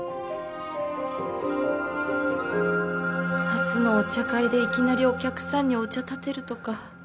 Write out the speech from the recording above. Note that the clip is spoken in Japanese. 初のお茶会でいきなりお客さんにお茶たてるとか